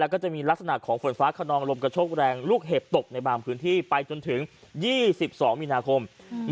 กะโชคแรงลูกเห็บตกในบางพื้นที่ไปจนถึง๒๒มีนาคม